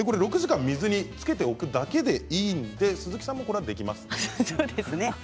６時間水につけて置くだけでいいので鈴木さんもこれできますよね。